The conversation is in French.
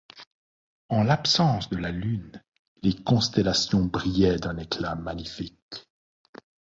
En l’absence de la lune, les constellations brillaient d’un éclat magnifique.